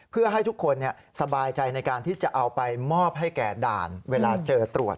เพื่อให้ทุกคนสบายใจในการที่จะเอาไปมอบให้แก่ด่านเวลาเจอตรวจ